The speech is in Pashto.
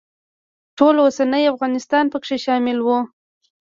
ټول اوسنی افغانستان پکې شامل و.